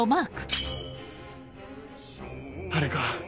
あれか。